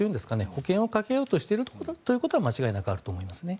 保険をかけようとしていることは間違いなくあると思いますね。